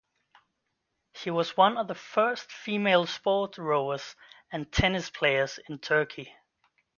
She was one of the first female sport rowers and tennis players in Turkey.